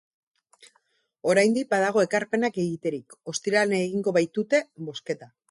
Oraindik badago ekarpenak egiterik, ostiralean egingo baitute bozketa.